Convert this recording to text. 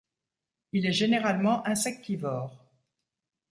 Il est généralement insectivore.